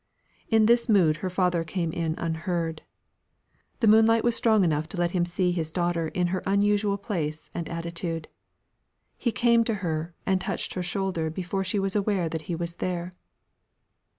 In this mood her father came in unheard. The moonlight was strong enough to let him see his daughter in her unusual place and attitude. He came to her and touched her shoulder before she was aware that he was there.